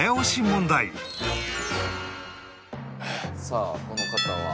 さあこの方は。